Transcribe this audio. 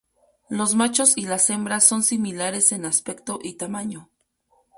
Los machos y las hembras son similares en aspecto y tamaño.